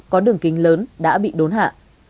có đường kính lớn đã bị đốn hạ